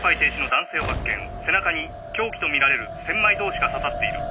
背中に凶器とみられる千枚通しが刺さっている。